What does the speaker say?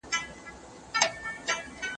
ایا بدي او ظلم باید له منځه لاړ سي؟